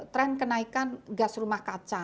tren kenaikan gas rumah kaca